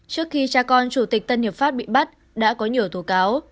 trước khi cha con chủ tịch tân hiệp pháp bị bắt đã có nhiều tố cáo